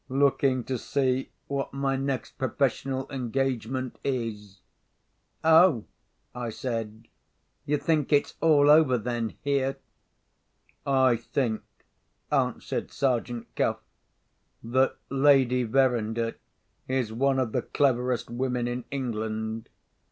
"Looking to see what my next professional engagement is." "Oh!" I said. "You think it's all over then, here?" "I think," answered Sergeant Cuff, "that Lady Verinder is one of the cleverest women in England.